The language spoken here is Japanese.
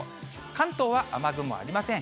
関東は雨雲ありません。